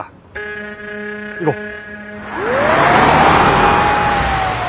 行こう。